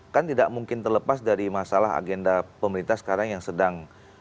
kan tidak mungkin terlepas dari masalah agenda pemerintah sekarang yang sedang